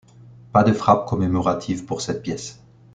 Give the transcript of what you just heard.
Pas de frappe commémorative pour cette pièce.